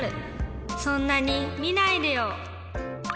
そんなにみないでよ。